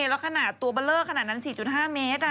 แล้วขนาดตัวเบลอขนาดนั้น๔๕เมตรอะ